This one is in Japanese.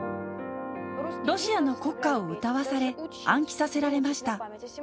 ロシアの国歌を歌わされ、暗記させられました。